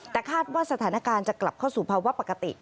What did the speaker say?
แต่คาดว่าสถานการณ์จะกลับเข้าสู่ภาวะปกติ